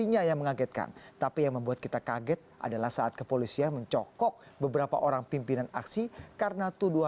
ya nggak menggegerkan gimana kan